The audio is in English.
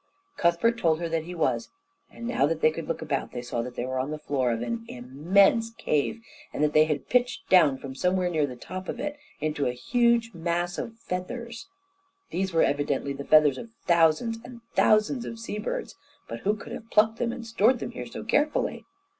Cuthbert told her that he was; and now that they could look about, they saw that they were on the floor of an immense cave, and that they had pitched down from somewhere near the top of it on to a huge mass of feathers. These were evidently the feathers of thousands and thousands of sea birds; but who could have plucked them and stored them here so carefully?